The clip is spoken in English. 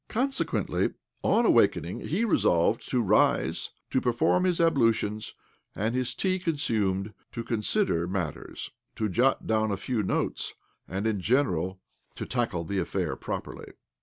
Consequently, on awakening, he resolved to rise, to perform his ablutions, and, his tea consumed, to consider matters, to jot down a few notes, and, in general, to tackle the affair properly.